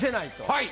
はい。